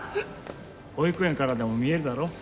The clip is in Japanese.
保育園からでも見えるだろ？